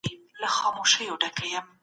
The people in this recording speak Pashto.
تاسو به د خپلو تجربو څخه درس اخلئ.